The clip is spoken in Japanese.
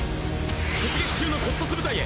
出撃中のコットス部隊へ。